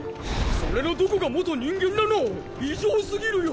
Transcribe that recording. それのどこが元人間なの⁉異常すぎるよ！